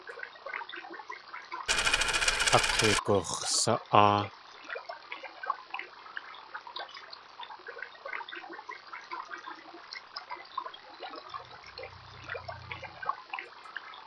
Ak̲eigux̲sa.áa.